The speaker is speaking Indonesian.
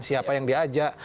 siapa yang diajak